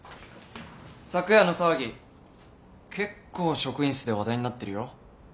昨夜の騒ぎ結構職員室で話題になってるよ。